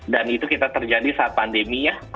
dan itu kita terjadi saat pandemi ya